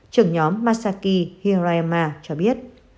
trưởng nhóm masaki hirayama cho biết